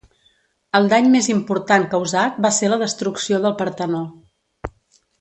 El dany més important causat va ser la destrucció del Partenó.